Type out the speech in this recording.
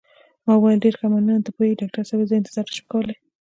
ما وویل: ډېر ښه، مننه، ته پوهېږې ډاکټر صاحبه، زه انتظار نه شم کولای.